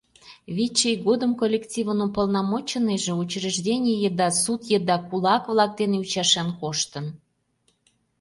Вич ий годым коллективын уполномоченныйже учреждений еда, суд еда кулак-влак дене ӱчашен коштын.